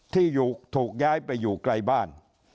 ที่ถูกย้ายไปอยู่ไกลบ้าน